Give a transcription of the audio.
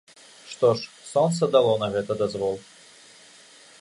Што ж, сонца дало на гэта дазвол.